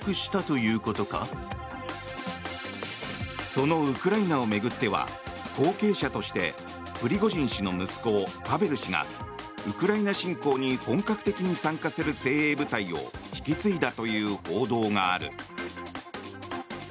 そのウクライナを巡っては後継者としてプリゴジン氏の息子パベル氏がウクライナ侵攻に本格的に参加する精鋭部隊を引き継いだという報道がある。